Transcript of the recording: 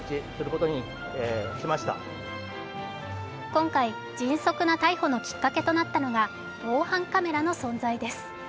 今回、迅速な逮捕のきっかけとなったのが防犯カメラの存在です。